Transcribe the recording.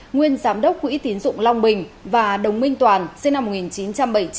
nguyên giám đốc quỹ tiến dụng long bình và đồng minh toàn sinh năm một nghìn chín trăm bảy mươi chín